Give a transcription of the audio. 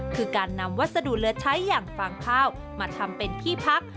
คือการนำวัสดุเหลือใช้อย่างฟางข้าวมาทำเป็นที่พัก